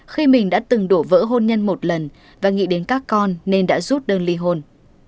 khi mình đã từng đổ vỡ hôn nhân một lần và nghĩ đến các con nên đã rút đơn ly hôn